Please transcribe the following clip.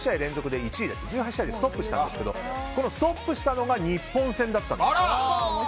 １８試合でストップしたんですけどこのストップしたのが日本戦だったんです。